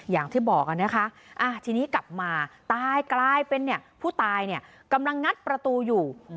อย่างที่บอกนะคะทีนี้กลับมาตายกลายเป็นผู้ตายกำลังงัดประตูอยู่